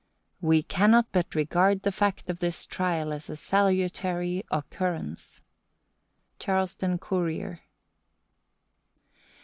"We cannot but regard the fact of this trial as a salutary occurrence."—_Charleston Courier.